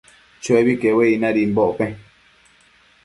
Chuebi quebuedi nadimbocpec